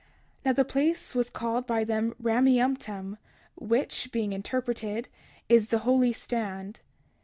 31:21 Now the place was called by them Rameumptom, which, being interpreted, is the holy stand.